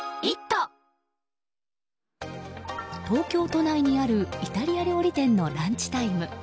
東京都内にあるイタリア料理店のランチタイム。